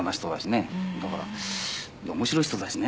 だからで面白い人だしね。